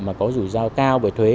mà có rủi ro cao về thuế